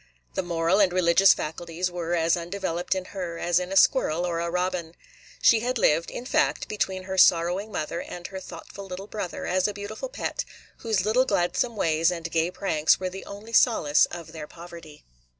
The moral and religious faculties were as undeveloped in her as in a squirrel or a robin. She had lived, in fact, between her sorrowing mother and her thoughtful little brother, as a beautiful pet, whose little gladsome ways and gay pranks were the only solace of their poverty.